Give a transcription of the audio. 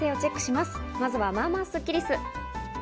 まずは、まあまあスッキりす。